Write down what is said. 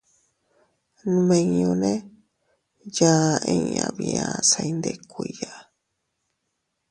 Nmiñune yaa inña bia se iyndikuiya.